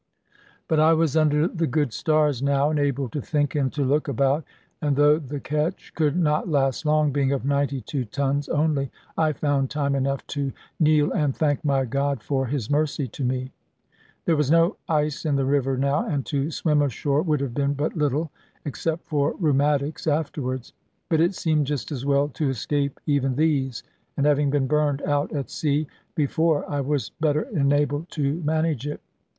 But I was under the good stars now, and able to think and to look about; and though the ketch could not last long, being of 92 tons only, I found time enough to kneel and thank my God for His mercy to me. There was no ice in the river now, and to swim ashore would have been but little, except for rheumatics afterwards. But it seemed just as well to escape even these; and having been burned out at sea before, I was better enabled to manage it.